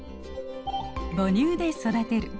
「母乳で育てる」。